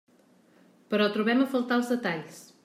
Però trobem a faltar els detalls.